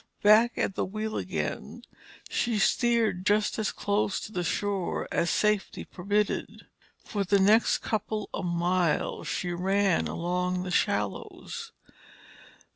Back at the wheel again, she steered just as close to the shore as safety permitted. For the next couple of miles she ran along the shallows.